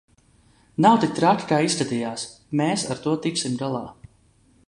Nav tik traki kā izskatījās, mēs ar to tiksim galā.